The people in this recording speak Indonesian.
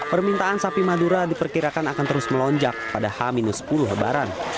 permintaan sapi madura diperkirakan akan terus melonjak pada h sepuluh lebaran